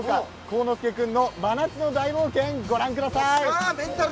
幸之介君の真夏の大冒険ご覧ください。